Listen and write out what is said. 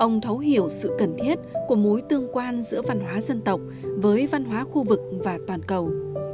ông thấu hiểu sự cần thiết của mối tương quan giữa văn hóa dân tộc với văn hóa khu vực và toàn cầu